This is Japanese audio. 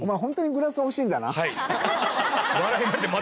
はい。